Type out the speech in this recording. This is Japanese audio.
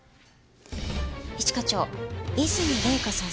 一課長和泉礼香さん